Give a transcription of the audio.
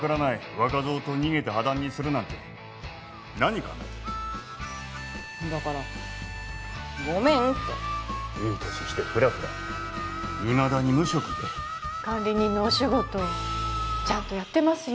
若造と逃げて破談にするなんて何考えてるだからごめんっていい年してフラフラいまだに無職で管理人のお仕事ちゃんとやってますよ